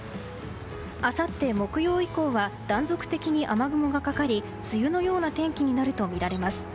あさって木曜以降は断続的に雨雲がかかり梅雨のような天気になるとみられます。